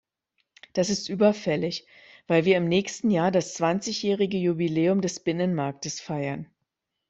Das ist überfällig, weil wir im nächsten Jahr das zwanzigjährige Jubiläum des Binnenmarktes feiern.